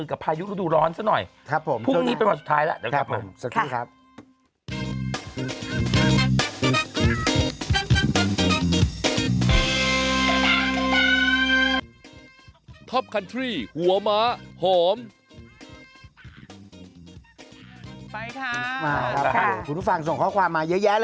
คุณผู้สมด้งไหมครับคุณผู้สม